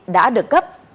đã được cấp